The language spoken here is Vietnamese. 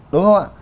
đúng không ạ